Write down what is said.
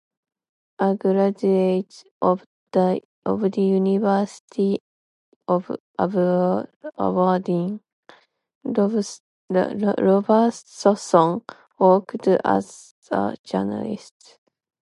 A graduate of the University of Aberdeen, Robertson worked as a journalist.